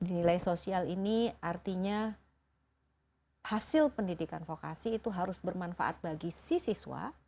nilai sosial ini artinya hasil pendidikan vokasi itu harus bermanfaat bagi si siswa